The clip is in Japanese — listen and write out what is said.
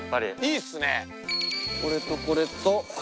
これとこれと。